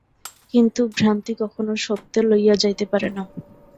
কিন্তু ভ্রান্তি কখনও সত্যে লইয়া যাইতে পারে না।